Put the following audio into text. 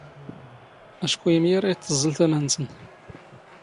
ⴰⵛⴽⵓ ⵉⵎⵢⴰⵔ ⴰ ⵉⵜⵜⵥⵥⵍ ⵜⴰⵎⴰ ⵏⵏⵙⵏ